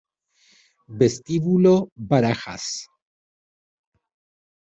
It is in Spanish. Vestíbulo Barajas